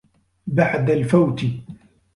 بَعْدَ الْفَوْتِ